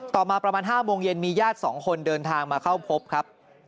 ต่อมาประมาณ๕โมงเย็นมีญาติ๒คนเดินทางมาเข้าพบครับ